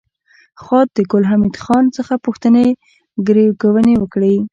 خاد د ګل حمید خان څخه پوښتنې ګروېږنې وکړې